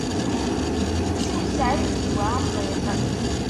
Siwseɛ i zzedwa amḍiq.